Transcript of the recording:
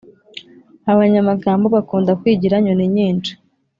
abanyamagambo bakunda kwigira nyoni nyinshi